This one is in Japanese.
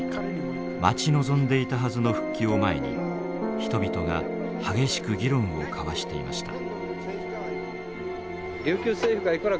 待ち望んでいたはずの復帰を前に人々が激しく議論を交わしていました。